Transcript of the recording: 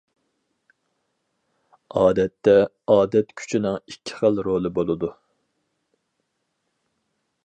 ئادەتتە، ئادەت كۈچىنىڭ ئىككى خىل رولى بولىدۇ.